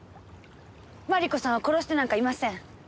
麻理子さんは殺してなんかいません。